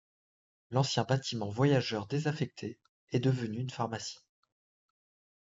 L'ancien bâtiment voyageurs désaffecté est devenu une pharmacie.